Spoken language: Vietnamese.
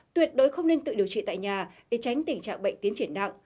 tuyệt đối không nên tự điều trị tại nhà để tránh tình trạng bệnh tiến triển nặng